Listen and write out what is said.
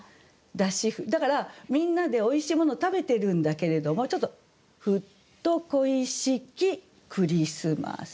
だからみんなでおいしいもの食べてるんだけれどもちょっと「ふっと恋しきクリスマス」。